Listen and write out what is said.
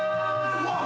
うわっ